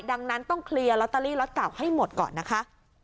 ดังนั้นต้องเคลียร์ลอตเตอรี่ล็อตเก่าให้หมดก่อนนะคะ